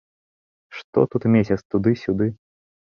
Што тут месяц туды-сюды?